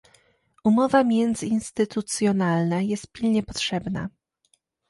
Umowa międzyinstytucjonalna jest pilnie potrzebna